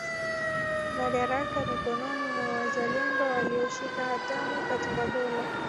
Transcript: Madaraka mikononi mwa wazalendo walioshika hatamu katika dola